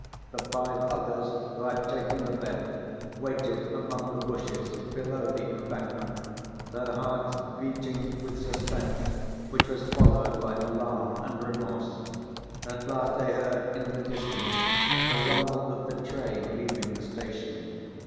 The five others who had taken the bet waited among the bushes below the embankment, their hearts beating with suspense, which was followed by alarm and remorse. At last they heard in the distance the rumble of the train leaving the station.